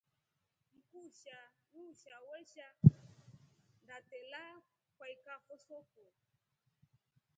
Mkusha nuusha wesha ndatela kwaikafo soko.